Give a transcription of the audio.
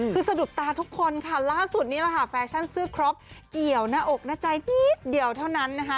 คือสะดุดตาทุกคนค่ะล่าสุดนี้แหละค่ะแฟชั่นเสื้อครบเกี่ยวหน้าอกหน้าใจนิดเดียวเท่านั้นนะคะ